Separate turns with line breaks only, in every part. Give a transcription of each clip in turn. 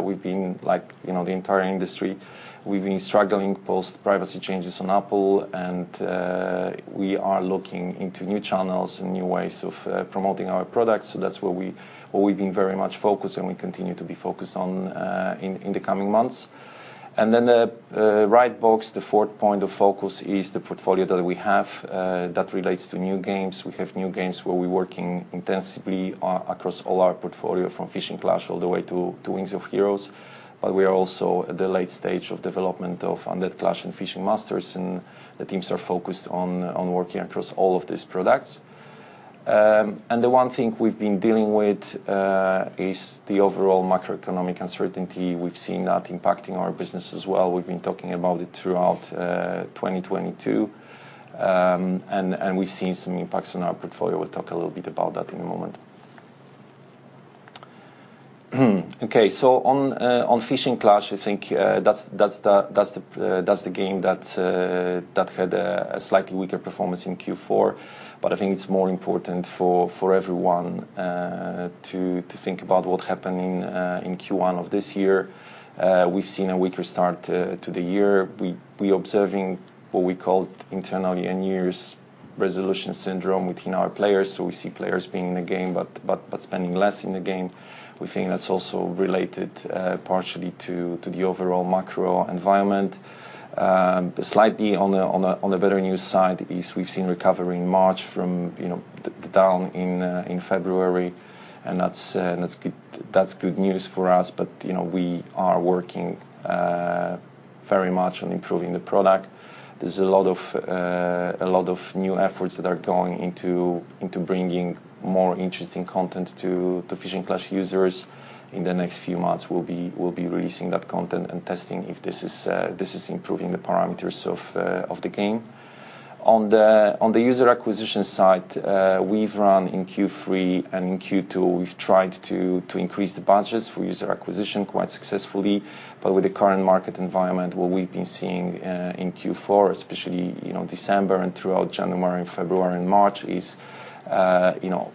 We've been like, you know, the entire industry. We've been struggling post privacy changes on Apple, and we are looking into new channels and new ways of promoting our products. That's what we've been very much focused and we continue to be focused on in the coming months. The, the right box, the fourth point of focus is the portfolio that we have that relates to new games. We have new games where we're working intensively across all our portfolio from Fishing Clash all the way to Wings of Heroes. We are also at the late stage of development of Undead Clash and Fishing Masters, and the teams are focused on working across all of these products. The one thing we've been dealing with is the overall macroeconomic uncertainty. We've seen that impacting our business as well. We've been talking about it throughout 2022. And we've seen some impacts on our portfolio. We'll talk a little bit about that in a moment. Okay. On Fishing Clash, I think that's the game that had a slightly weaker performance in Q4. I think it's more important for everyone to think about what happened in Q1 of this year. We've seen a weaker start to the year. We observing what we call internally a new year's resolution syndrome within our players. We see players being in the game but spending less in the game. We think that's also related partially to the overall macro environment. Slightly on the better news side is we've seen recovery in March from, you know, the down in February, that's good news for us. You know, we are working very much on improving the product. There's a lot of new efforts that are going into bringing more interesting content to the Fishing Clash users. In the next few months, we'll be releasing that content and testing if this is improving the parameters of the game. On the user acquisition side, we've run in Q3, and in Q2, we've tried to increase the budgets for user acquisition quite successfully. With the current market environment, what we've been seeing in Q4, especially, you know, December and throughout January, February and March, is, you know,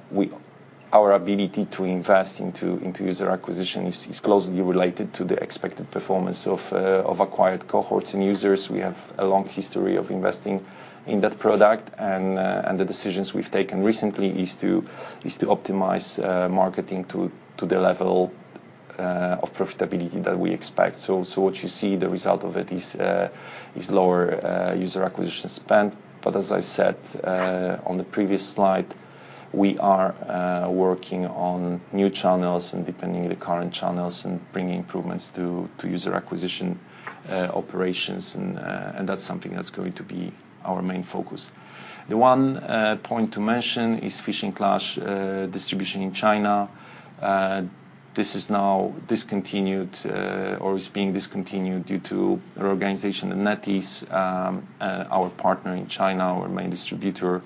our ability to invest into user acquisition is closely related to the expected performance of acquired cohorts and users. We have a long history of investing in that product. The decisions we've taken recently is to optimize marketing to the level of profitability that we expect. What you see, the result of it is lower user acquisition spend. As I said, on the previous slide, we are working on new channels and deepening the current channels and bringing improvements to user acquisition operations. That's something that's going to be our main focus. The one point to mention is Fishing Clash distribution in China. This is now discontinued or is being discontinued due to reorganization. NetEase, our partner in China, our main distributor,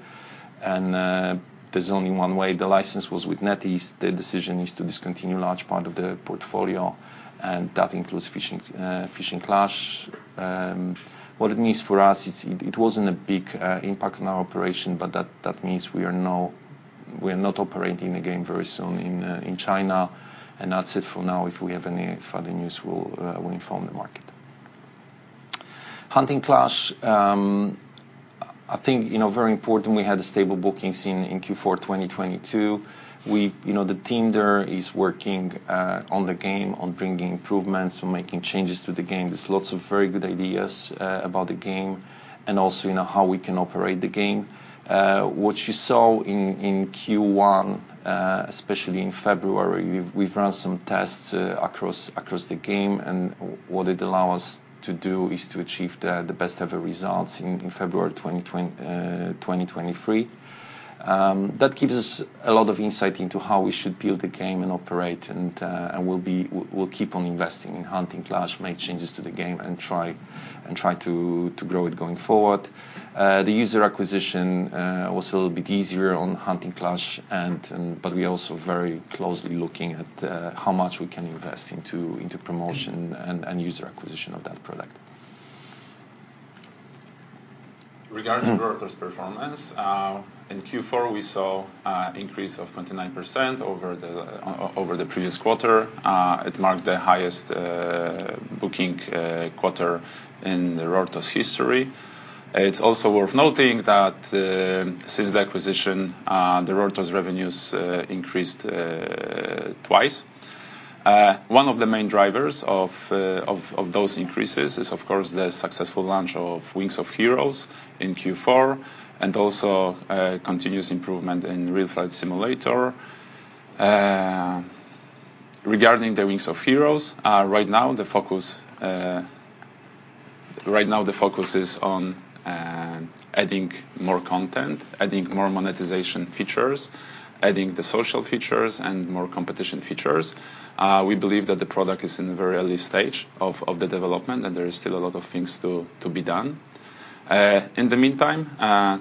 and there's only one way the license was with NetEase. Their decision is to discontinue large part of their portfolio, and that includes Fishing Clash. What it means for us is it wasn't a big impact on our operation, but that means we are not operating the game very soon in China. That's it for now. If we have any further news, we'll inform the market. Hunting Clash, I think, you know, very important, we had stable bookings in Q4 2022. We, you know, the team there is working, on the game, on bringing improvements, on making changes to the game. There's lots of very good ideas about the game and also, you know, how we can operate the game. What you saw in Q1, especially in February, we've run some tests across the game, and what it allow us to do is to achieve the best ever results in February 2023. That gives us a lot of insight into how we should build the game and operate. We'll keep on investing in Hunting Clash, make changes to the game and try to grow it going forward. The user acquisition was a little bit easier on Hunting Clash and but we're also very closely looking at how much we can invest into promotion and user acquisition of that product. Regarding the RORTOS performance, in Q4, we saw increase of 29% over the previous quarter. It marked the highest booking quarter in the RORTOS history. It's also worth noting that since the acquisition, the RORTOS revenues increased twice. One of the main drivers of those increases is, of course, the successful launch of Wings of Heroes in Q4, and also continuous improvement in Real Flight Simulator. Regarding the Wings of Heroes, right now the focus is on adding more content, adding more monetization features, adding the social features and more competition features. We believe that the product is in a very early stage of the development, and there is still a lot of things to be done. In the meantime,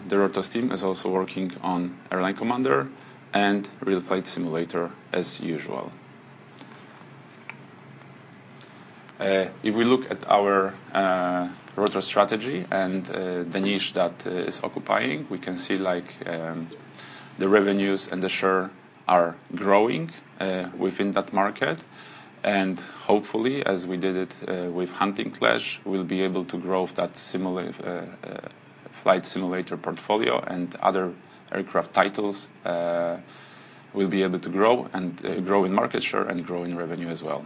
the RORTOS team is also working on Airline Commander and Real Flight Simulator as usual. If we look at our RORTOS strategy and the niche that is occupying, we can see like the revenues and the share are growing within that market. Hopefully, as we did it with Hunting Clash, we'll be able to grow that flight simulator portfolio and other aircraft titles will be able to grow and grow in market share and grow in revenue as well.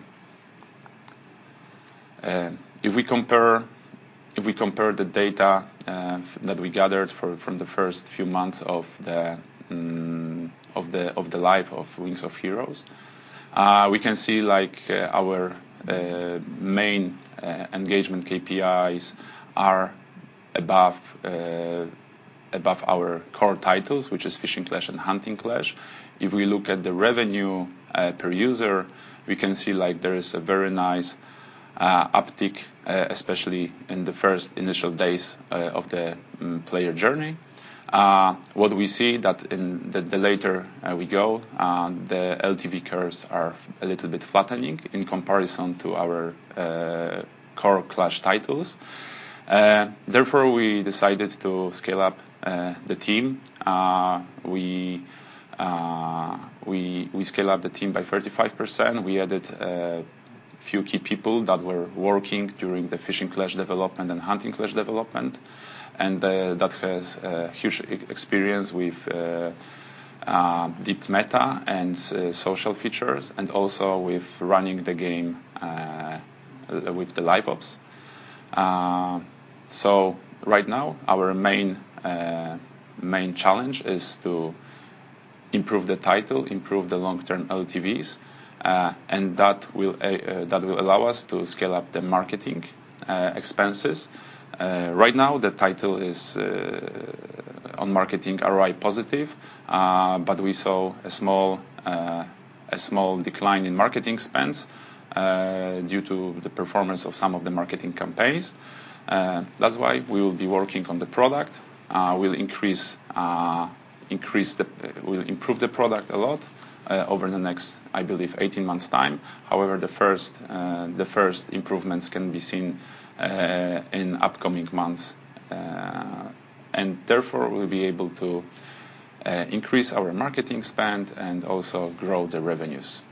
If we compare the data that we gathered from the first few months of the life of Wings of Heroes, we can see like our main engagement KPIs are above above our core titles, which is Fishing Clash and Hunting Clash. If we look at the revenue per user, we can see like there is a very nice uptick especially in the first initial days of the player journey. What we see that in the later we go, the LTV curves are a little bit flattening in comparison to our core Clash titles. Therefore, we decided to scale up the team. We scale up the team by 35%. We added a few key people that were working during the Fishing Clash development and Hunting Clash development, and that has huge e-experience with deep meta and social features, and also with running the game with the Liveops. Right now our main challenge is to improve the title, improve the long-term LTVs, and that will allow us to scale up the marketing expenses. Right now the title is on marketing ROI positive, we saw a small decline in marketing spends due to the performance of some of the marketing campaigns. That's why we will be working on the product. We'll improve the product a lot over the next, I believe, 18 months' time. However, the first improvements can be seen in upcoming months. Therefore we'll be able to increase our marketing spend and also grow the revenues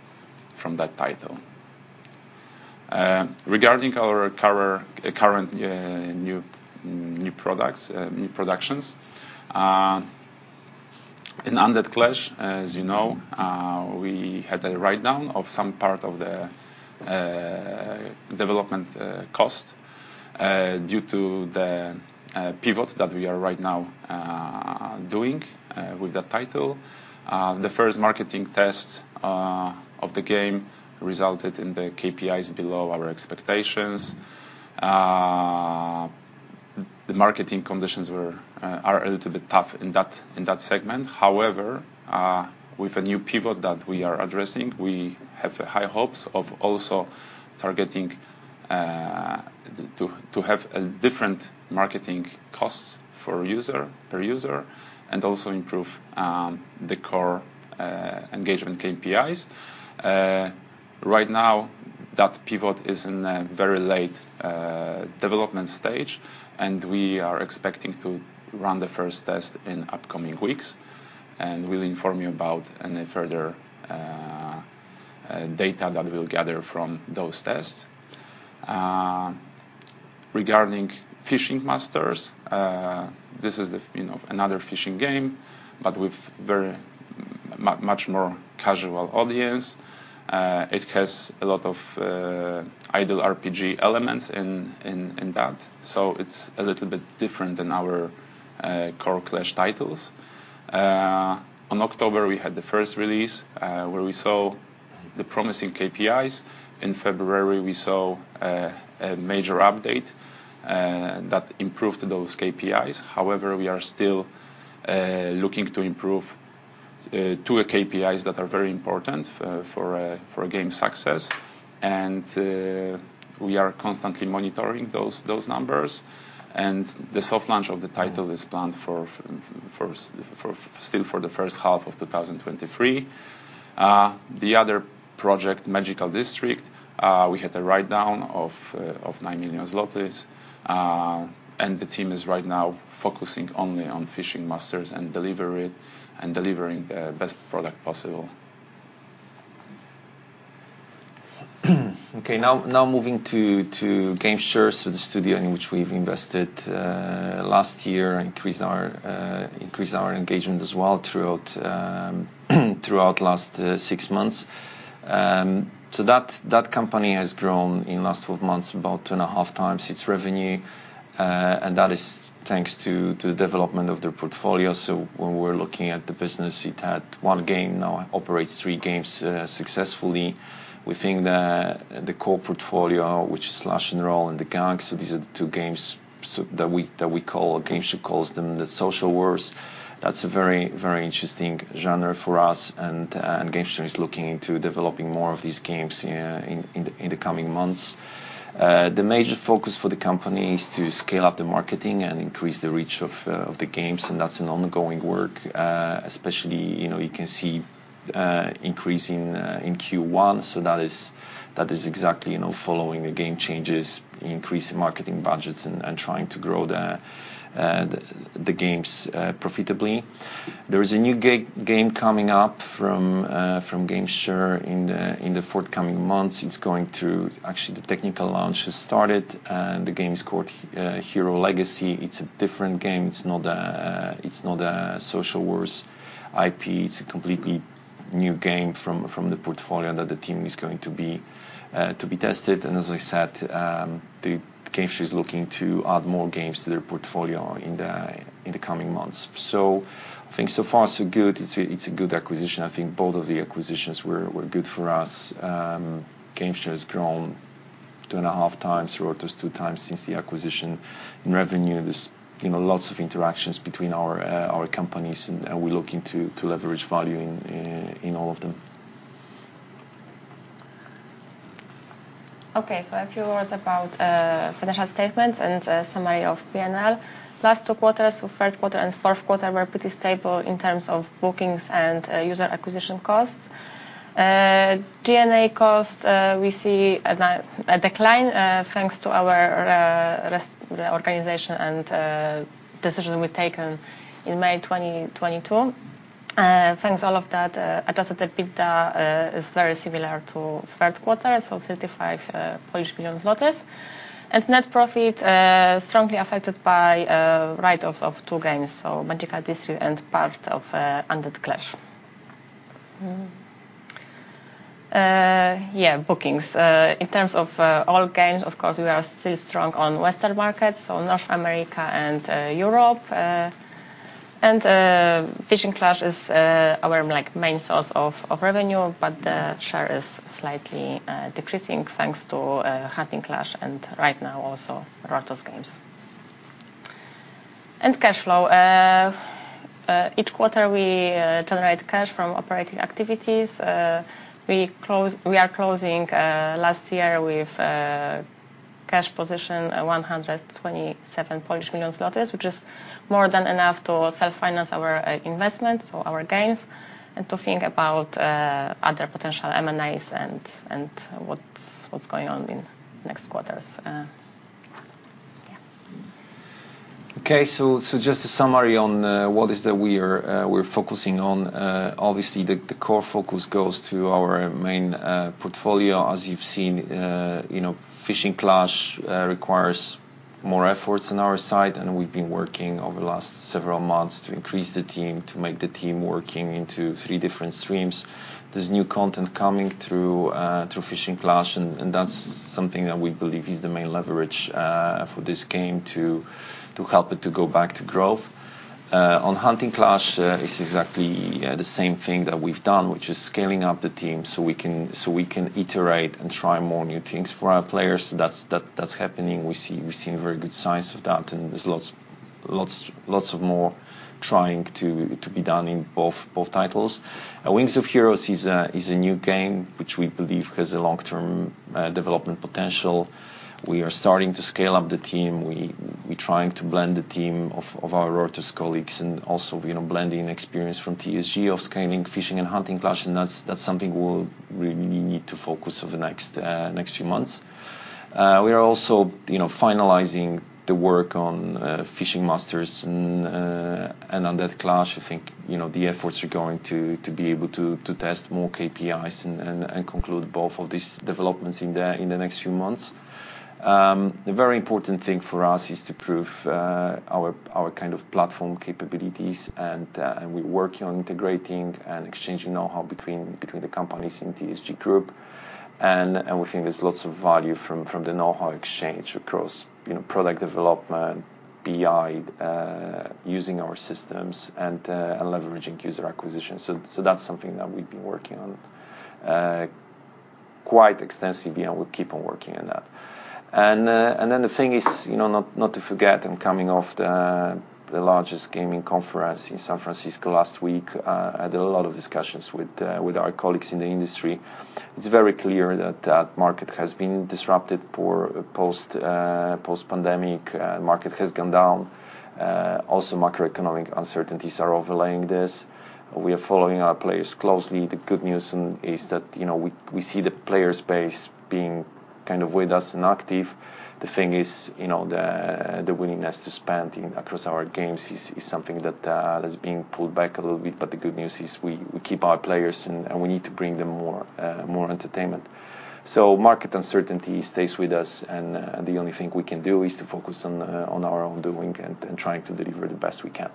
from that title. Regarding our current new products, new productions, in Undead Clash, as you know, we had a writedown of some part of the development cost due to the pivot that we are right now doing with that title. The first marketing test of the game resulted in the KPIs below our expectations. The marketing conditions were a little bit tough in that segment. However, with a new pivot that we are addressing, we have high hopes of also targeting to have a different marketing costs for user, per user and also improve the core engagement KPIs. Right now that pivot is in a very late development stage, and we are expecting to run the first test in upcoming weeks. We'll inform you about any further data that we'll gather from those tests. Regarding Fishing Masters, this is the, you know, another fishing game, but with very much more casual audience. It has a lot of idle RPG elements in that. It's a little bit different than our core Clash titles. On October, we had the first release where we saw the promising KPIs. In February, we saw a major update that improved those KPIs. However, we are still looking to improve two KPIs that are very important for a game success. We are constantly monitoring those numbers. The soft launch of the title is planned for still for the first half of 2023. The other project, Magical District, we had a writedown of 9 million zlotys, and the team is right now focusing only on Fishing Masters and deliver it, and delivering the best product possible. Now moving to Gamesture, the studio in which we've invested last year, increased our engagement as well throughout last 6 months. That company has grown in last 12 months about 2.5 times its revenue, that is thanks to development of their portfolio. When we're looking at the business, it had 1 game, now operates 3 games successfully. We think that the core portfolio, which is Slash & Roll and The Gang, these are the two games that we call or Gamesture calls them the social wars. That's a very interesting genre for us and Gamesture is looking into developing more of these games in the coming months. The major focus for the company is to scale up the marketing and increase the reach of the games, and that's an ongoing work. Especially, you know, you can see Increasing in Q1, that is exactly, you know, following the game changes, increase in marketing budgets and trying to grow the games profitably. There is a new game coming up from Gamesture in the forthcoming months. It's going through. Actually, the technical launch has started, and the game is called Hero Legacy. It's a different game. It's not a, it's not a social wars IP. It's a completely new game from the portfolio that the team is going to be tested. As I said, the Gamesture's looking to add more games to their portfolio in the coming months. I think so far so good. It's a good acquisition. I think both of the acquisitions were good for us. Gamesture has grown 2.5 times, RORTOS 2 times since the acquisition. In revenue, there's, you know, lots of interactions between our companies and we're looking to leverage value in all of them.
Okay. A few words about financial statements and a summary of P&L. Last 2 quarters, so third quarter and fourth quarter, were pretty stable in terms of bookings and user acquisition costs. G&A costs, we see a decline, thanks to our organization and decision we've taken in May 2022. Thanks all of that, adjusted EBITDA is very similar to third quarter, so 55 million zlotys. Net profit, strongly affected by write-offs of two games, so Magical District and part of Undead Clash. Bookings. In terms of all games, of course, we are still strong on Western markets, so North America and Europe. Fishing Clash is our, like, main source of revenue, but the share is slightly decreasing thanks to Hunting Clash and right now also RORTOS games. Cash flow. Each quarter we generate cash from operating activities. We are closing last year with cash position at 127 million zlotys, which is more than enough to self-finance our investments or our gains, to think about other potential M&As and what's going on in next quarters.
Just a summary on what is that we are, we're focusing on. Obviously, the core focus goes to our main portfolio. As you've seen, you know, Fishing Clash requires more efforts on our side, and we've been working over the last several months to increase the team, to make the team working into three different streams. There's new content coming through through Fishing Clash, and that's something that we believe is the main leverage for this game to help it to go back to growth. On Hunting Clash, it's exactly the same thing that we've done, which is scaling up the team so we can, so we can iterate and try more new things for our players. That's, that's happening. We're seeing very good signs of that, and there's lots of more trying to be done in both titles. Wings of Heroes is a new game which we believe has a long-term development potential. We are starting to scale up the team. We're trying to blend the team of our RORTOS colleagues and also, you know, blending experience from TSG of scaling Fishing and Hunting Clash, and that's something we'll really need to focus over the next few months. We are also, you know, finalizing the work on Fishing Masters and Undead Clash. I think, you know, the efforts are going to be able to test more KPIs and conclude both of these developments in the next few months. The very important thing for us is to prove our kind of platform capabilities. We're working on integrating and exchanging knowhow between the companies in TSG group. We think there's lots of value from the knowhow exchange across, you know, product development, BI, using our systems and leveraging user acquisition. That's something that we've been working on quite extensively. We'll keep on working on that. Then the thing is, you know, not to forget, I'm coming off the largest gaming conference in San Francisco last week. I had a lot of discussions with our colleagues in the industry. It's very clear that that market has been disrupted post-pandemic. Market has gone down. Also macroeconomic uncertainties are overlaying this. We are following our players closely. The good news is that, you know, we see the player space being kind of with us and active. The thing is, you know, the willingness to spend in, across our games is something that's being pulled back a little bit. The good news is we keep our players and we need to bring them more entertainment. Market uncertainty stays with us, and the only thing we can do is to focus on our own doing and trying to deliver the best we can.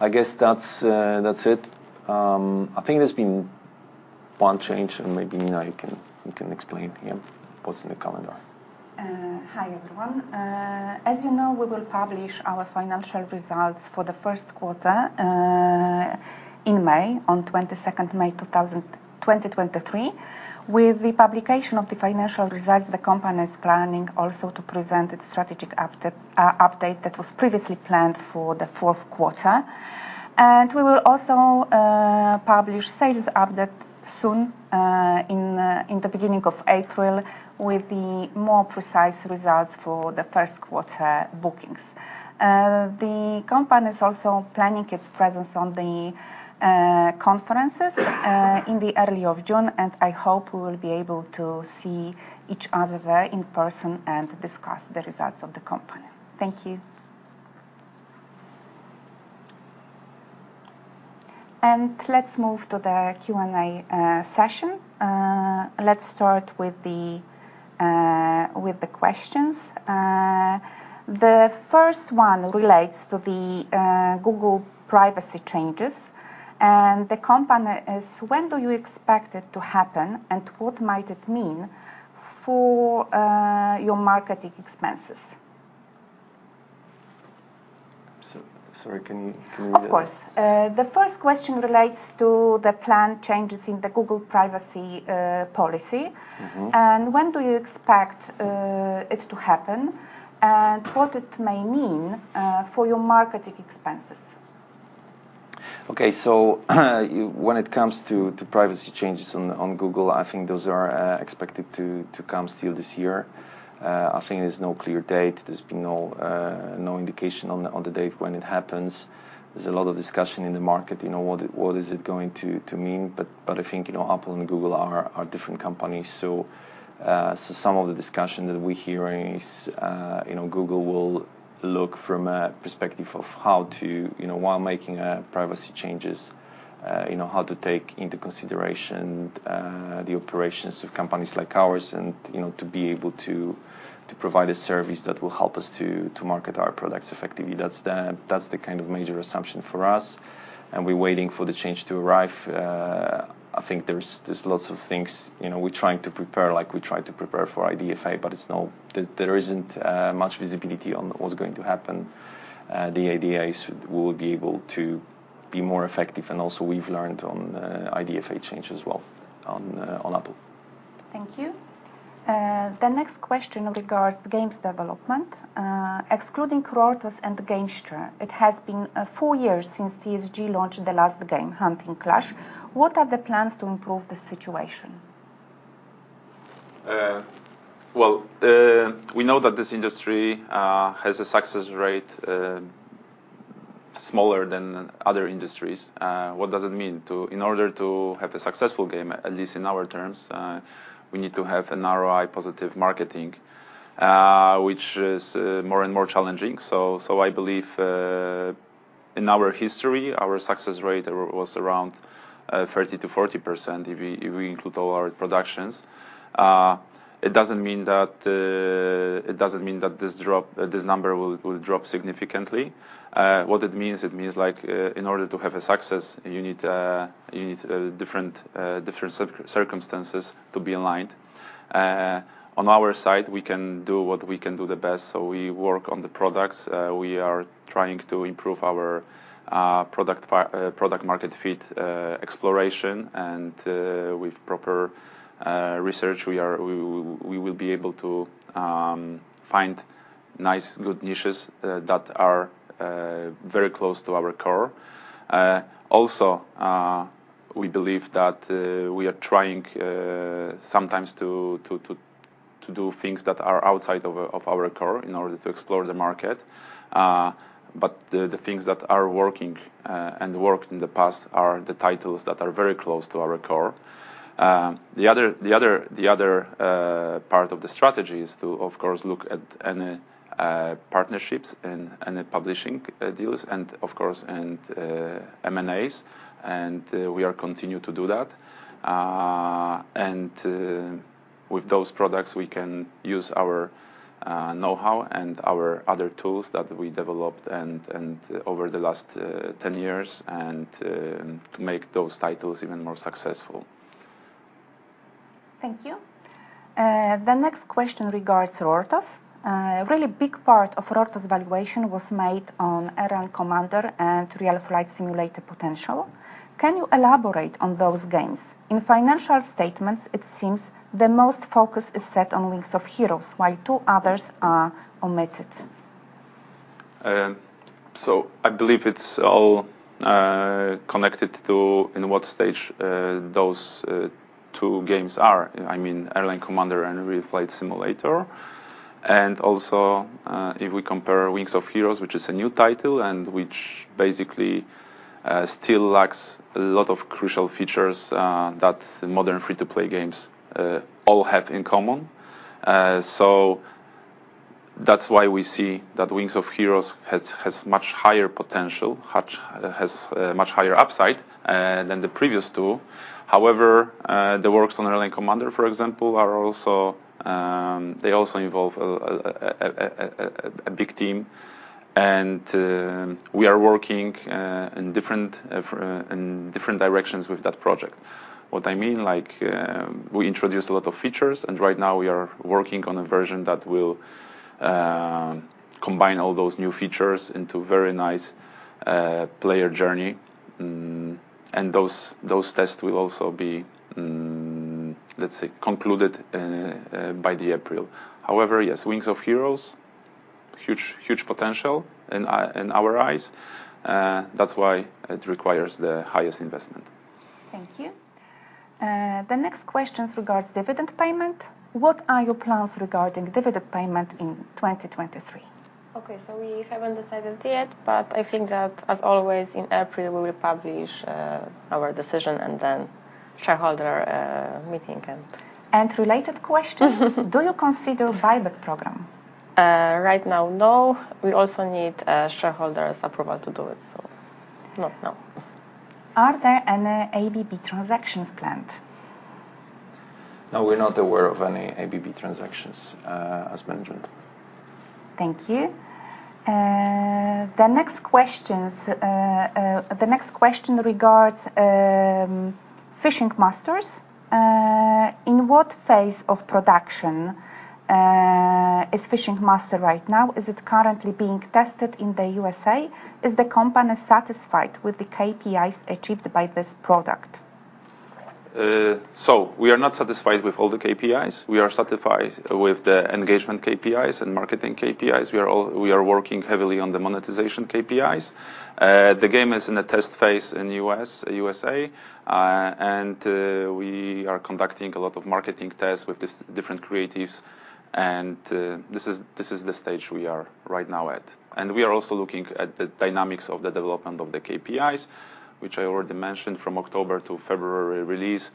I guess that's it. I think there's been one change, and maybe Nina you can explain, yeah, what's in the calendar.
Hi, everyone. as you know, we will publish our financial results for the first quarter in May, on 22nd May 2023. With the publication of the financial results, the company is planning also to present its strategic update that was previously planned for the fourth quarter. we will also publish sales update soon in the beginning of April, with the more precise results for the first quarter bookings. The company is also planning its presence on the conferences in the early of June, and I hope we will be able to see each other there in person and discuss the results of the company. Thank you. Let's move to the Q&A session. Let's start with the questions. The first one relates to the Google privacy changes. When do you expect it to happen, and what might it mean for your marketing expenses?
Sorry, can you repeat?
Of course. The first question relates to the planned changes in the Google privacy policy.
Mm-hmm.
When do you expect it to happen, and what it may mean for your marketing expenses?
Okay. When it comes to privacy changes on Google, I think those are expected to come still this year. I think there's no clear date. There's been no indication on the date when it happens. There's a lot of discussion in the market, you know, what is it going to mean. I think, you know, Apple and Google are different companies. Some of the discussion that we're hearing is, you know, Google will look from a perspective of how to, you know, while making privacy changes, you know, how to take into consideration the operations of companies like ours and, you know, to be able to provide a service that will help us to market our products effectively. That's the kind of major assumption for us. We're waiting for the change to arrive. I think there's lots of things, you know, we're trying to prepare, like we tried to prepare for IDFA. There isn't much visibility on what's going to happen. The IDFA will be able to be more effective. Also we've learned on IDFA change as well on Apple.
Thank you. The next question regards games development. Excluding RORTOS and Gamesture, it has been 4 years since TSG launched the last game, Hunting Clash. What are the plans to improve the situation?
Well, we know that this industry has a success rate smaller than other industries. What does it mean? In order to have a successful game, at least in our terms, we need to have an ROI positive marketing, which is more and more challenging. I believe, in our history, our success rate was around 30%-40% if we include all our productions. It doesn't mean that this number will drop significantly. What it means, it means like, in order to have a success, you need different circumstances to be aligned. On our side, we can do what we can do the best, so we work on the products. We are trying to improve our product market fit exploration and with proper research, we will be able to find nice, good niches that are very close to our core. Also, we believe that we are trying sometimes to do things that are outside of our core in order to explore the market. But the things that are working and worked in the past are the titles that are very close to our core. The other part of the strategy is to, of course, look at any partnerships and any publishing deals and, of course, and M&As, and we are continue to do that. With those products, we can use our, know-how and our other tools that we developed and over the last, 10 years and, to make those titles even more successful.
Thank you. The next question regards RORTOS. A really big part of RORTOS' valuation was made on Airline Commander and Real Flight Simulator potential. Can you elaborate on those games? In financial statements, it seems the most focus is set on Wings of Heroes, while two others are omitted.
I believe it's all connected to in what stage those two games are. I mean, Airline Commander and Real Flight Simulator. Also, if we compare Wings of Heroes, which is a new title and which basically still lacks a lot of crucial features that modern free-to-play games all have in common. That's why we see that Wings of Heroes has much higher potential, much higher upside than the previous two. However, the works on Airline Commander, for example, are also, they also involve a big team. We are working in different in different directions with that project. What I mean, like, we introduced a lot of features. Right now we are working on a version that will combine all those new features into very nice player journey. Those tests will also be, let's say, concluded by April. Yes, Wings of Heroes, huge potential in our, in our eyes. That's why it requires the highest investment.
Thank you. The next question regards dividend payment. What are your plans regarding dividend payment in 2023?
Okay, we haven't decided yet, but I think that, as always, in April, we will publish our decision and then shareholder meeting.
Related question. Do you consider buyback program?
Right now, no. We also need shareholders' approval to do it, not now.
Are there any ABB transactions planned?
No, we're not aware of any ABB transactions, as management.
Thank you. The next question regards Fishing Masters. In what phase of production is Fishing Master right now? Is it currently being tested in the U.S.A? Is the company satisfied with the KPIs achieved by this product?
We are not satisfied with all the KPIs. We are satisfied with the engagement KPIs and marketing KPIs. We are working heavily on the monetization KPIs. The game is in the test phase in U.S., U.S.A. We are conducting a lot of marketing tests with these different creatives, this is the stage we are right now at. We are also looking at the dynamics of the development of the KPIs, which I already mentioned from October to February release.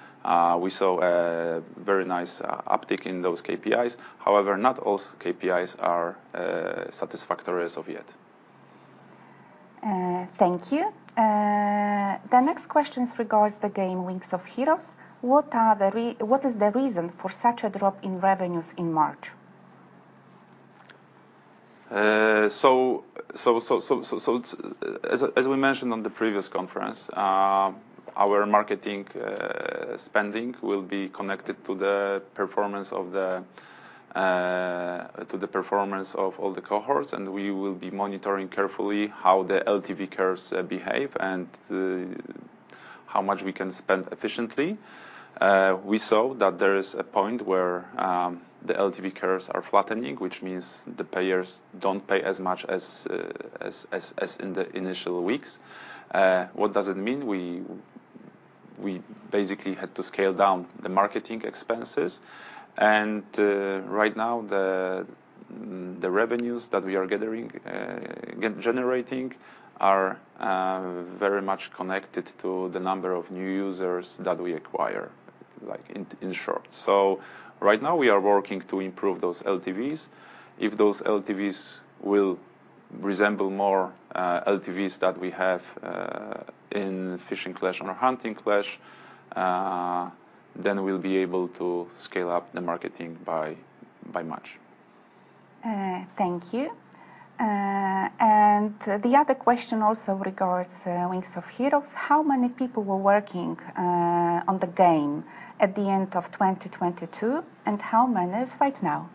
We saw a very nice uptake in those KPIs. However, not all KPIs are satisfactory as of yet.
Thank you. The next question regards the game Wings of Heroes. What is the reason for such a drop in revenues in March?
As we mentioned on the previous conference, our marketing spending will be connected to the performance of the to the performance of all the cohorts. We will be monitoring carefully how the LTV curves behave and how much we can spend efficiently. We saw that there is a point where the LTV curves are flattening, which means the players don't pay as much as in the initial weeks. What does it mean? We basically had to scale down the marketing expenses. Right now, the revenues that we are gathering, generating are very much connected to the number of new users that we acquire, like, in short. Right now we are working to improve those LTVs. If those LTVs will resemble more, LTVs that we have, in Fishing Clash or Hunting Clash, then we'll be able to scale up the marketing by much.
Thank you. The other question also regards Wings of Heroes. How many people were working on the game at the end of 2022, and how many is right now?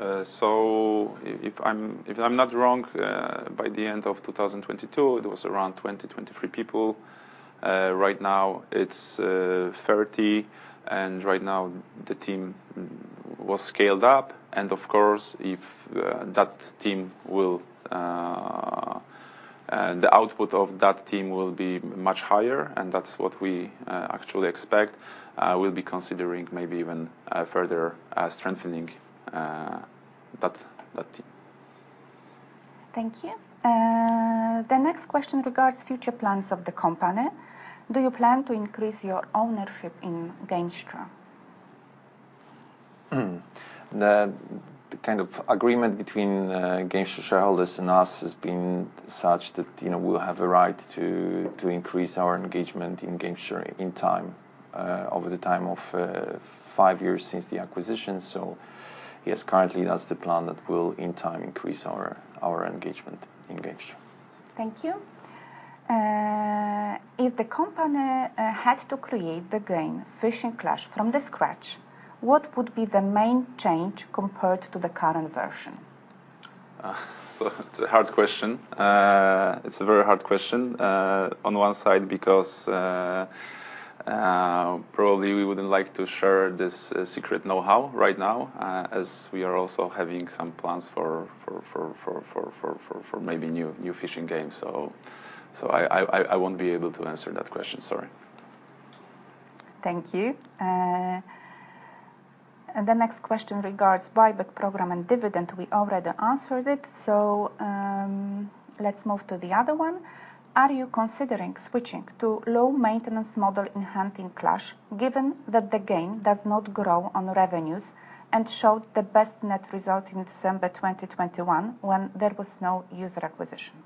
If I'm not wrong, by the end of 2022, it was around 20, 23 people. Right now, it's 30. Right now, the team was scaled up. Of course, if that team, the output of that team will be much higher, and that's what we actually expect. We'll be considering maybe even further strengthening that team.
Thank you. The next question regards future plans of the company. Do you plan to increase your ownership in Gamesture?
The kind of agreement between Gamesture shareholders and us has been such that, you know, we'll have a right to increase our engagement in Gamesture in time, over the time of five years since the acquisition. Yes, currently that's the plan that will, in time, increase our engagement in Gamesture.
Thank you. If the company had to create the game Fishing Clash from the scratch, what would be the main change compared to the current version?
It's a hard question. It's a very hard question, on one side because probably we wouldn't like to share this secret know-how right now, as we are also having some plans for new fishing games. I won't be able to answer that question, sorry.
Thank you. The next question regards buyback program and dividend. We already answered it, let's move to the other one. Are you considering switching to low maintenance model in Hunting Clash, given that the game does not grow on revenues and showed the best net result in December 2021, when there was no user acquisition?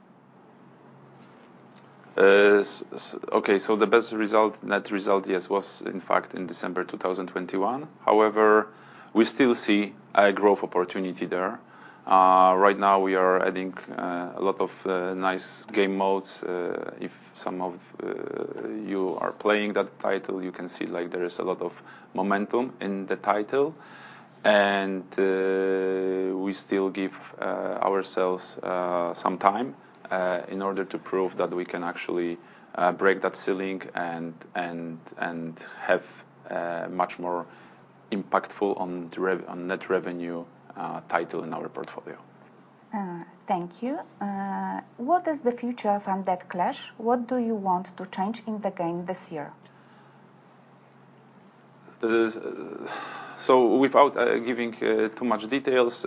The best result, net result, yes, was in fact in December 2021. However, we still see a growth opportunity there. Right now we are adding a lot of nice game modes. If some of you are playing that title, you can see, like, there is a lot of momentum in the title. We still give ourselves some time in order to prove that we can actually break that ceiling and have a much more impactful on net revenue title in our portfolio.
Thank you. What is the future of Undead Clash? What do you want to change in the game this year?
Without giving too much details,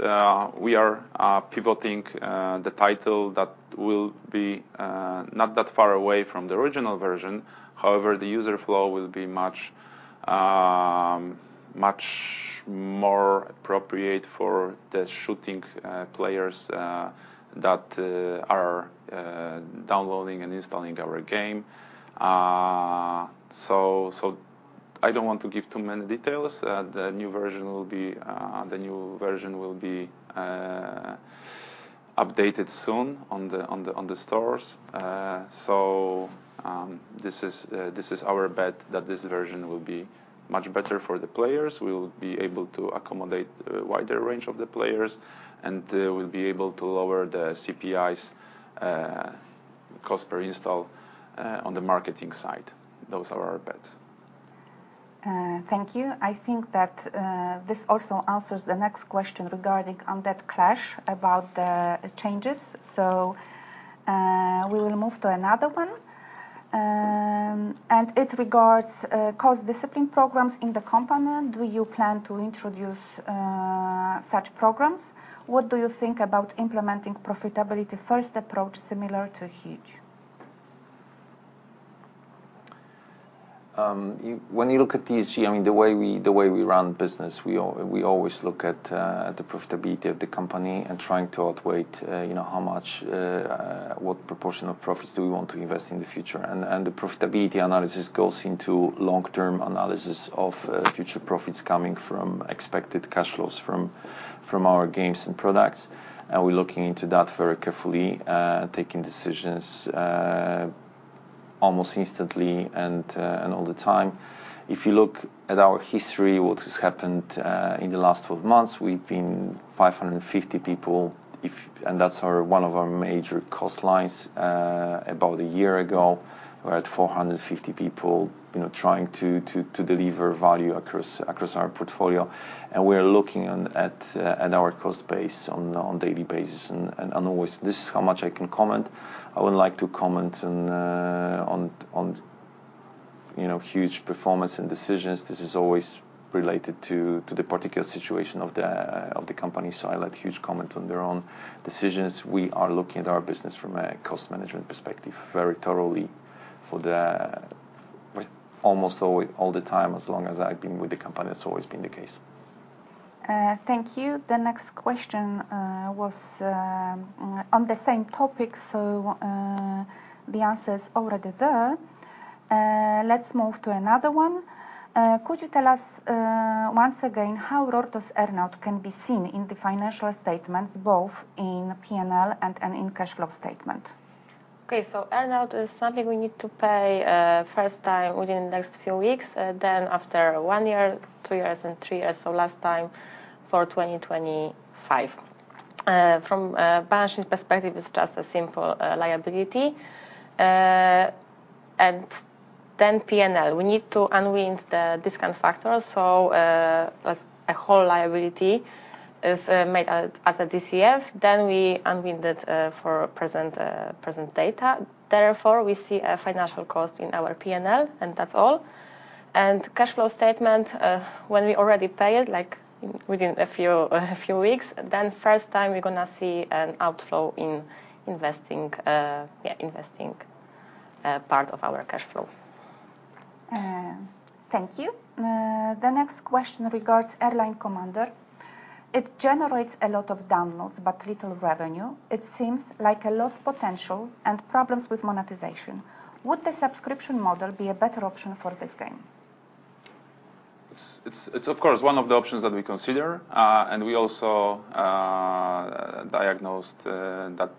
we are pivoting the title that will be not that far away from the original version. However, the user flow will be much, much more appropriate for the shooting players that are downloading and installing our game. I don't want to give too many details. The new version will be updated soon on the stores. This is our bet that this version will be much better for the players. We'll be able to accommodate a wider range of the players, we'll be able to lower the CPIs, cost per install, on the marketing side. Those are our bets.
Thank you. I think that this also answers the next question regarding Undead Clash about the changes. We will move to another one. It regards cost discipline programs in the company. Do you plan to introduce such programs? What do you think about implementing profitability first approach similar to Huuuge?
When you look at THQ, I mean, the way we run business, we always look at the profitability of the company and trying to outweigh, you know, what proportion of profits do we want to invest in the future. The profitability analysis goes into long-term analysis of future profits coming from expected cash flows from our games and products. We're looking into that very carefully, taking decisions almost instantly and all the time. If you look at our history, what has happened in the last 12 months, we've been 550 people. That's one of our major cost lines. About a year ago, we're at 450 people, you know, trying to deliver value across our portfolio. We are looking at our cost base on a daily basis. Always this is how much I can comment. I wouldn't like to comment on, you know, Huuuge performance and decisions. This is always related to the particular situation of the company. I let Huuuge comment on their own decisions. We are looking at our business from a cost management perspective very thoroughly. Almost all the time, as long as I've been with the company, that's always been the case.
Thank you. The next question was on the same topic. The answer is already there. Let's move to another one. Could you tell us once again how RORTOS earn-out can be seen in the financial statements, both in P&L and in cash flow statement?
Okay. Earn-out is something we need to pay first time within the next few weeks. After one year, two years, and three years, so last time for 2025. From a balance sheet perspective, it's just a simple liability. P&L, we need to unwind the discount factor. As a whole liability is made as a DCF. We unwind it for present present data. We see a financial cost in our P&L, and that's all. Cash flow statement, when we already pay it, like within a few weeks, first time we're gonna see an outflow in investing part of our cash flow.
Thank you. The next question regards Airline Commander. It generates a lot of downloads but little revenue. It seems like a lost potential and problems with monetization. Would the subscription model be a better option for this game?
It's of course one of the options that we consider. We also diagnosed that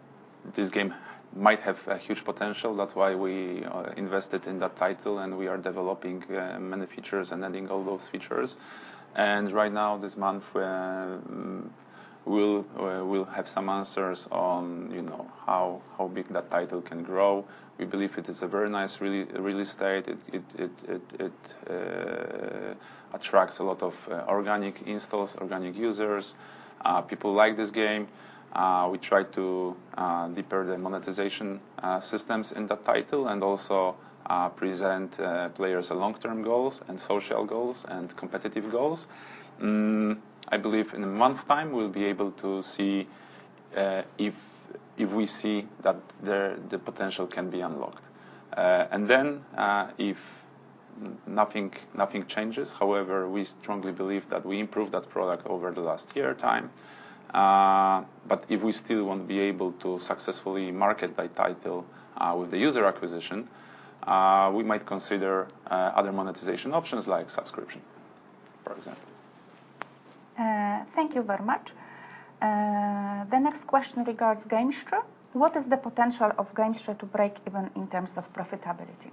this game might have a huge potential. That's why we invested in that title, and we are developing many features and adding all those features. Right now, this month, we'll have some answers on, you know, how big that title can grow. We believe it is a very nice really state. It attracts a lot of organic installs, organic users. People like this game. We try to deeper the monetization systems in that title and also present players long-term goals and social goals and competitive goals. I believe in a month time, we'll be able to see if we see that the potential can be unlocked. If nothing changes, however, we strongly believe that we improve that product over the last year time. If we still won't be able to successfully market that title with the user acquisition, we might consider other monetization options like subscription, for example.
Thank you very much. The next question regards Gangster. What is the potential of Gamesture to break even in terms of profitability?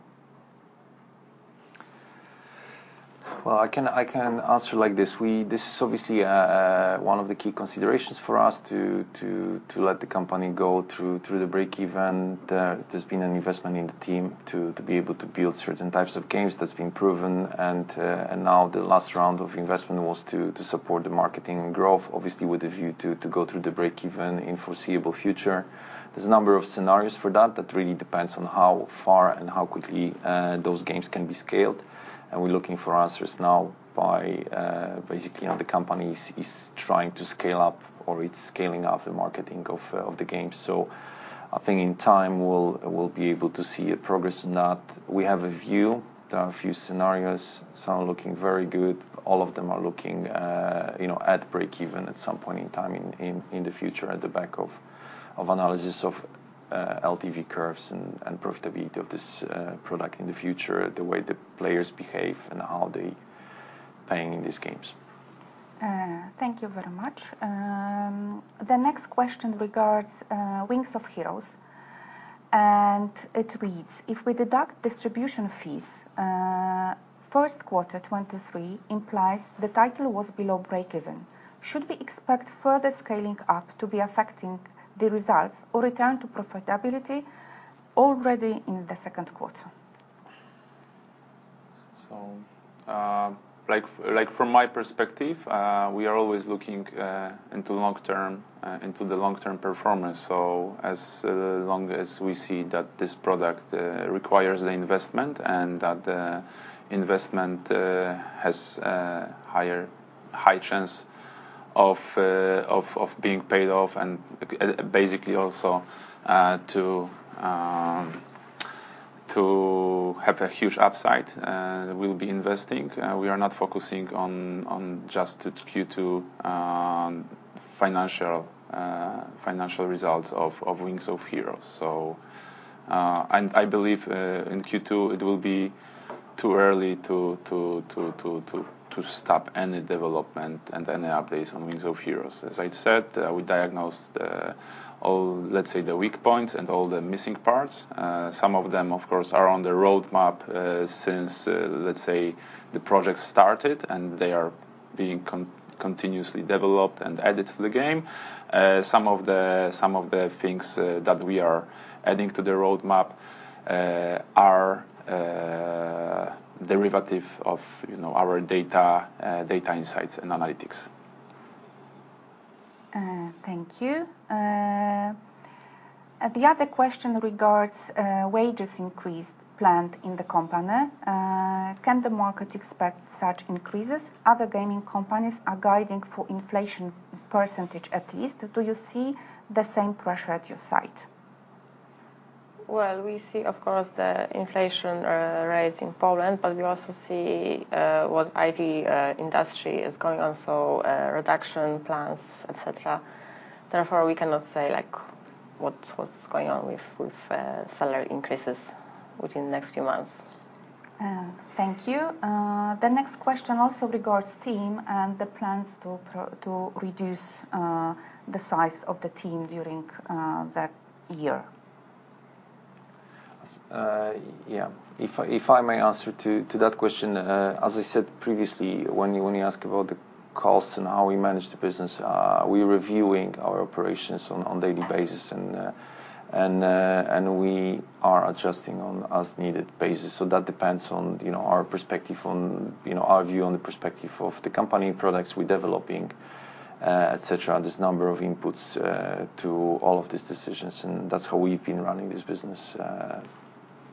Well, I can answer like this. This is obviously one of the key considerations for us to let the company go through the break-even. There's been an investment in the team to be able to build certain types of games that's been proven. Now the last round of investment was to support the marketing growth, obviously with a view to go through the break-even in foreseeable future. There's a number of scenarios for that that really depends on how far and how quickly those games can be scaled. We're looking for answers now by basically, you know, the company is trying to scale up or it's scaling up the marketing of the games. I think in time we'll be able to see a progress in that. We have a view. There are a few scenarios. Some are looking very good. All of them are looking, you know, at breakeven at some point in time in the future at the back of analysis of LTV curves and profitability of this product in the future, the way the players behave, and how they're paying these games.
Thank you very much. The next question regards, Wings of Heroes, it reads: if we deduct distribution fees, first quarter 2023 implies the title was below breakeven. Should we expect further scaling up to be affecting the results or return to profitability already in the second quarter?
Like from my perspective, we are always looking into long-term, into the long-term performance. As long as we see that this product requires the investment and that the investment has high chance of being paid off and basically also to have a huge upside, we'll be investing. We are not focusing on just the Q2 financial results of Wings of Heroes. I believe, in Q2 it will be too early to stop any development and any updates on Wings of Heroes. As I said, we diagnosed all, let's say, the weak points and all the missing parts. Some of them, of course, are on the roadmap, since, let's say, the project started, and they are being continuously developed and added to the game. Some of the things that we are adding to the roadmap are derivative of, you know, our data insights and analytics.
Thank you. The other question regards wages increased planned in the company. Can the market expect such increases? Other gaming companies are guiding for inflation percentage at least. Do you see the same pressure at your side?
Well, we see of course the inflation rise in Poland, but we also see what IT industry is going on, so reduction plans, et cetera. Therefore, we cannot say, like, what's going on with salary increases within the next few months.
Thank you. The next question also regards team and the plans to reduce the size of the team during the year.
Yeah. If I may answer to that question, as I said previously, when you ask about the costs and how we manage the business, we're reviewing our operations on daily basis and we are adjusting on as needed basis. That depends on, you know, our perspective on our view on the perspective of the company products we're developing, et cetera. There's number of inputs to all of these decisions, and that's how we've been running this business,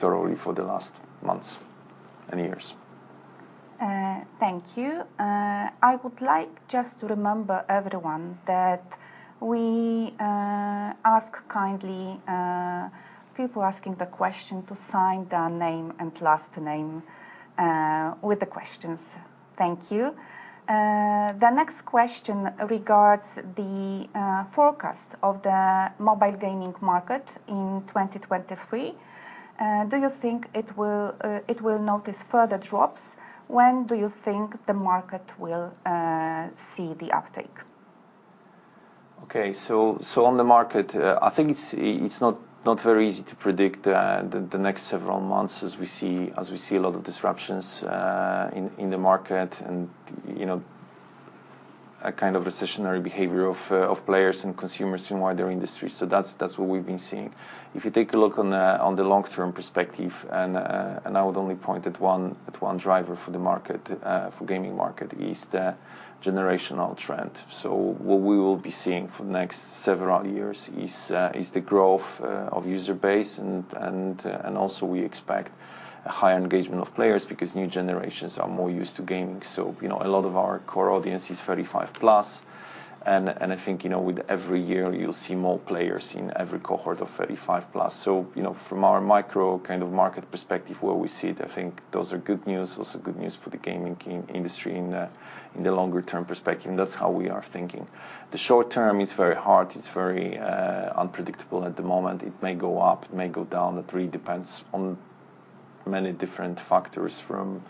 thoroughly for the last months and years.
Thank you. I would like just to remember everyone that we ask kindly people asking the question to sign their name and last name with the questions. Thank you. The next question regards the forecast of the mobile gaming market in 2023. Do you think it will notice further drops? When do you think the market will see the uptick?
Okay. On the market, I think it's not very easy to predict the next several months as we see a lot of disruptions in the market and, you know, a kind of recessionary behavior of players and consumers in wider industry. That's what we've been seeing. If you take a look on the long-term perspective, and I would only point at one driver for the gaming market, is the generational trend. What we will be seeing for next several years is the growth of user base and also we expect a higher engagement of players because new generations are more used to gaming. You know, a lot of our core audience is 35 plus, and I think, you know, with every year you'll see more players in every cohort of 35 plus. You know, from our micro kind of market perspective where we sit, I think those are good news. Also good news for the gaming industry in the longer term perspective. That's how we are thinking. The short term is very hard. It's very unpredictable at the moment. It may go up, it may go down. It really depends on many different factors, from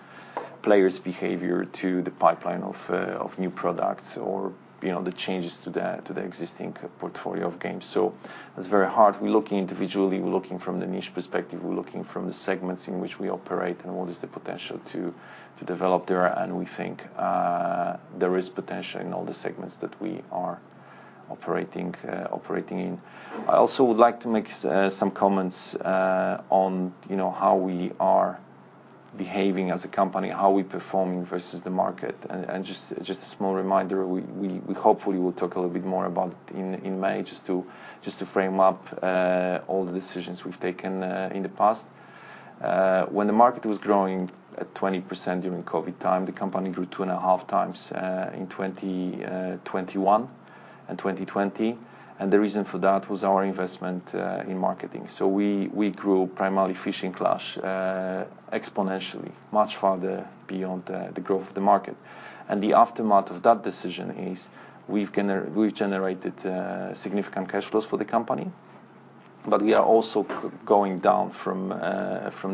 players' behavior to the pipeline of new products or, you know, the changes to the existing portfolio of games. It's very hard. We're looking individually, we're looking from the niche perspective. Looking from the segments in which we operate and what is the potential to develop there, we think there is potential in all the segments that we are operating in. I also would like to make some comments on, you know, how we are behaving as a company, how we're performing versus the market. Just a small reminder, we hopefully will talk a little bit more about in May just to frame up all the decisions we've taken in the past. When the market was growing at 20% during COVID time, the company grew two and a half times in 2021 and 2020, the reason for that was our investment in marketing. We grew primarily Fishing Clash exponentially, much farther beyond the growth of the market. The aftermath of that decision is we've generated significant cash flows for the company, but we are also going down from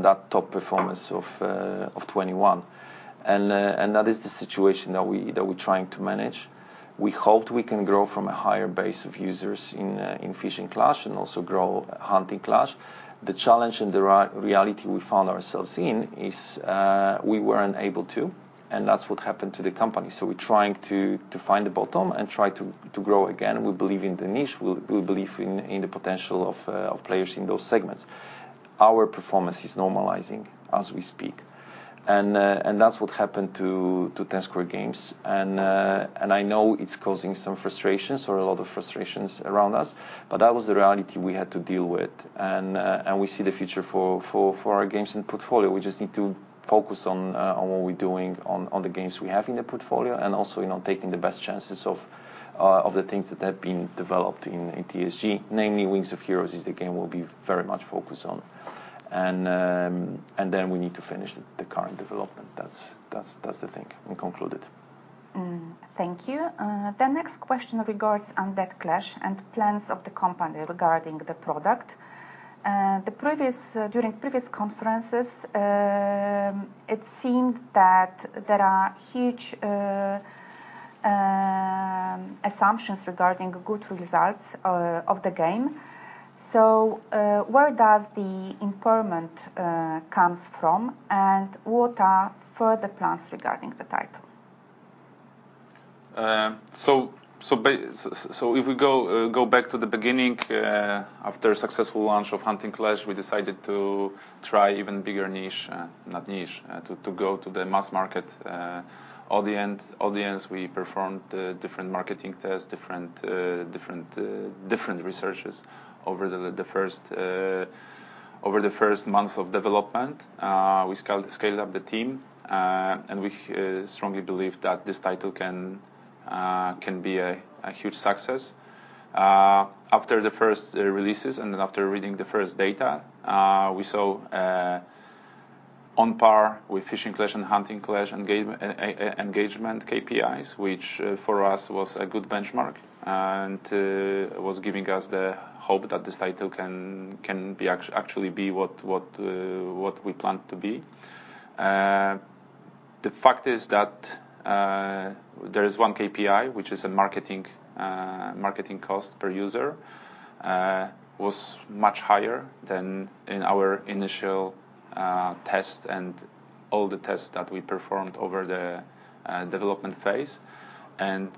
that top performance of 2021. That is the situation that we're trying to manage. We hoped we can grow from a higher base of users in Fishing Clash and also grow Hunting Clash. The challenge and the reality we found ourselves in is, we weren't able to, and that's what happened to the company. We're trying to find the bottom and try to grow again. We believe in the niche. We believe in the potential of players in those segments. Our performance is normalizing as we speak. That's what happened to Ten Square Games. I know it's causing some frustrations or a lot of frustrations around us, but that was the reality we had to deal with. We see the future for our games and portfolio. We just need to focus on what we're doing on the games we have in the portfolio and also, you know, taking the best chances of the things that have been developed in TSG. Namely, Wings of Heroes is the game we'll be very much focused on. Then we need to finish the current development. That's the thing. We conclude it.
Thank you. The next question regards Undead Clash and plans of the company regarding the product. The previous, during previous conferences, it seemed that there are huge assumptions regarding good results of the game. Where does the impairment comes from, and what are further plans regarding the title?
If we go back to the beginning, after successful launch of Hunting Clash, we decided to try even bigger niche. Not niche. To go to the mass market audience. We performed different marketing tests, different researches over the first months of development. We scaled up the team. We strongly believe that this title can be a huge success. After the first releases and after reading the first data, we saw on par with Fishing Clash and Hunting Clash engagement KPIs, which for us was a good benchmark, and was giving us the hope that this title can actually be what we planned to be. The fact is that there is one KPI, which is a marketing marketing cost per user, was much higher than in our initial test and all the tests that we performed over the development phase.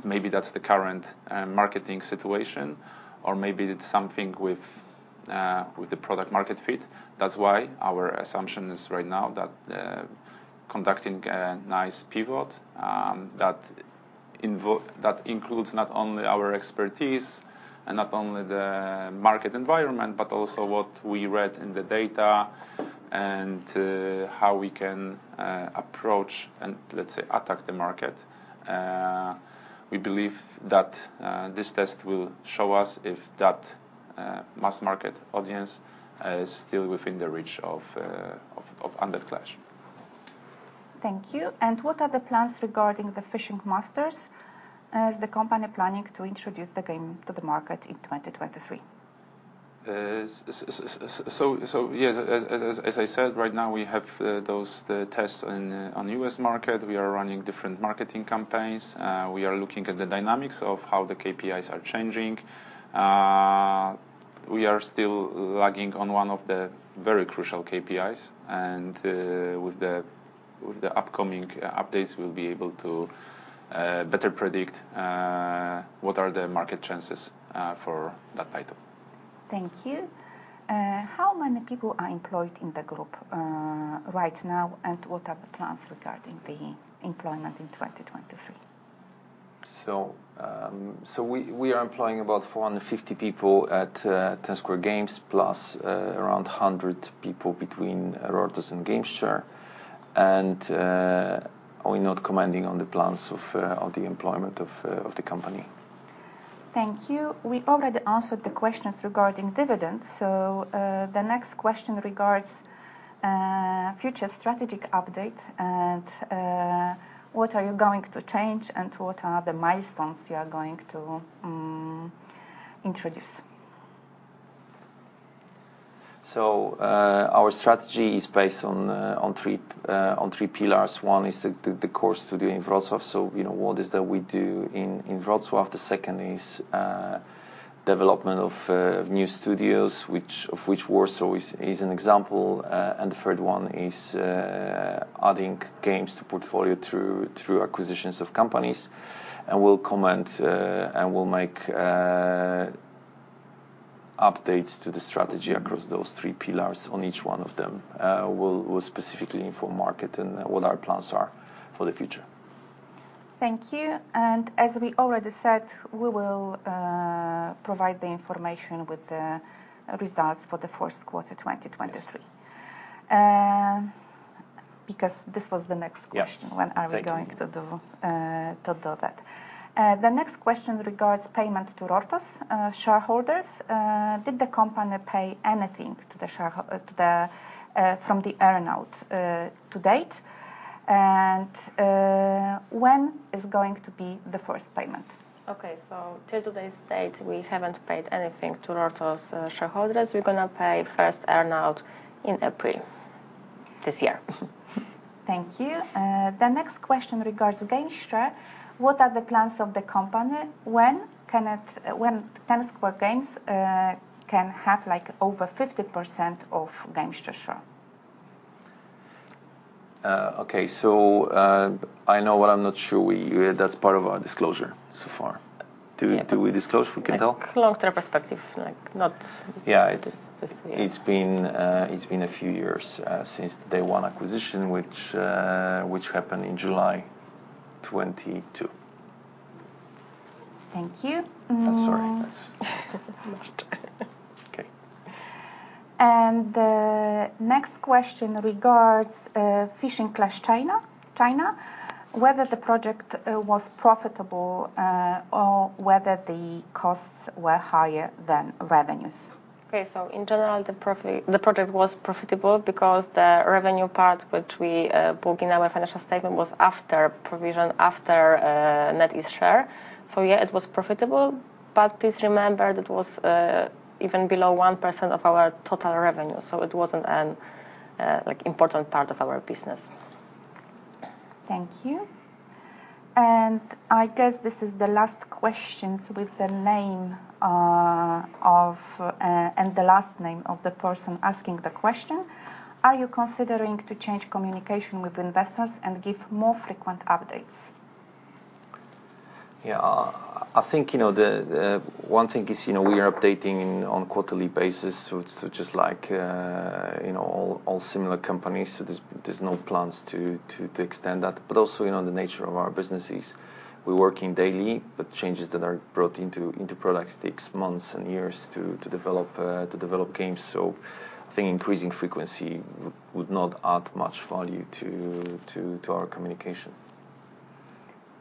Maybe that's the current marketing situation or maybe it's something with the product market fit. That's why our assumption is right now that conducting a nice pivot that includes not only our expertise and not only the market environment but also what we read in the data and how we can approach, and let's say attack the market. We believe that this test will show us if that mass market audience is still within the reach of Undead Clash.
Thank you. What are the plans regarding the Fishing Masters? Is the company planning to introduce the game to the market in 2023?
Yes, as I said, right now we have the tests on the U.S. market. We are running different marketing campaigns. We are looking at the dynamics of how the KPIs are changing. We are still lagging on one of the very crucial KPIs and with the upcoming updates, we'll be able to better predict what are the market chances for that title.
Thank you. How many people are employed in the group right now, and what are the plans regarding the employment in 2023?
We are employing about 450 people at Ten Square Games, plus around 100 people between Gamesture and Gamesture. We're not commenting on the plans of the employment of the company.
Thank you. We already answered the questions regarding dividends. The next question regards future strategic update and what are you going to change and what are the milestones you are going to introduce?
Our strategy is based on three pillars. One is the course to doing Wrocław. You know, what is that we do in Wrocław. The second is development of new studios, which, of which Warsaw is an example. The third one is adding games to portfolio through acquisitions of companies. We'll comment and we'll make updates to the strategy across those three pillars on each one of them. We'll specifically inform market and what our plans are for the future.
Thank you. As we already said, we will provide the information with the results for the first quarter, 2023.
Yes.
Because this was the next question.
Yeah. Thank you...
when are we going to do, to do that. The next question regards payment to RORTOS shareholders. Did the company pay anything to the, from the earn-out, to date? When is going to be the first payment?
Okay. To today's date, we haven't paid anything to RORTOS shareholders. We're gonna pay first earn-out in April this year.
Thank you. The next question regards Gamesture. What are the plans of the company? When Ten Square Games, can have, like, over 50% of Gamesture share?
Okay. I know, but I'm not sure we... That's part of our disclosure so far.
Yeah.
Do we disclose? We can talk?
Like, long-term perspective, like.
Yeah.
Just yeah....
it's been a few years since the day one acquisition, which happened in July 2022.
Thank you. Mm-hmm.
I'm sorry. Okay.
The next question regards Fishing Clash China, whether the project was profitable, or whether the costs were higher than revenues?
Okay. In general, the project was profitable because the revenue part, which we book in our financial statement was after provision, after NetEase share. Yeah, it was profitable, but please remember that was even below 1% of our total revenue, it wasn't an like important part of our business.
Thank you. I guess this is the last questions with the name, and the last name of the person asking the question. Are you considering to change communication with investors and give more frequent updates?
Yeah. I think, you know, the One thing is, you know, we are updating on quarterly basis, so just like, you know, all similar companies. There's no plans to extend that. Also, you know, the nature of our businesses, we're working daily, but changes that are brought into products takes months and years to develop, to develop games. I think increasing frequency would not add much value to our communication.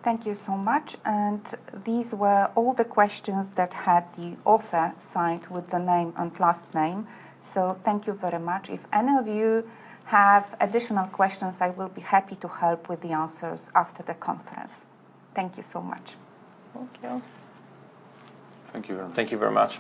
Thank you so much. These were all the questions that had the author signed with the name and last name, so thank you very much. If any of you have additional questions, I will be happy to help with the answers after the conference. Thank you so much.
Thank you.
Thank you very much.